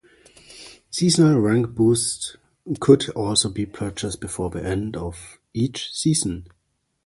Seasonal rank boosts could also be purchased before the end of each season.